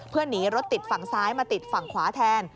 เพื่อหนีรถติดฝั่งซ้ายมาติดฝั่งขวาแทน